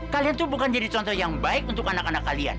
kalian tuh bukan jadi contoh yang baik untuk anak anak kalian